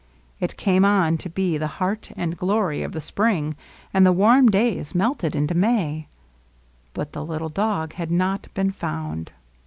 It came on to be the heart and glory of the springs and the warm days melted into May. But the little dog had not been found.